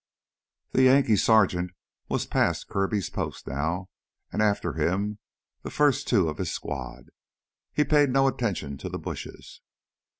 The Yankee sergeant was past Kirby's post now, and after him the first two of his squad. He paid no attention to the bushes.